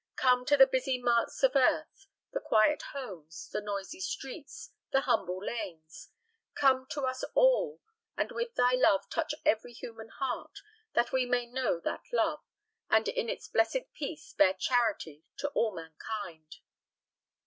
Come to the busy marts of earth, the quiet homes, the noisy streets, the humble lanes; come to us all, and with thy love touch every human heart, that we may know that love, and in its blessed peace bear charity to all mankind_!